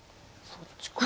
そっちか。